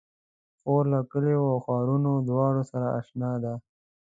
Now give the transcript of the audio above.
خور له کليو او ښارونو دواړو سره اشنا ده.